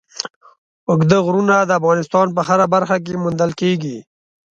اوږده غرونه د افغانستان په هره برخه کې موندل کېږي.